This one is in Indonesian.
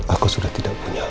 aku sudah tidak punya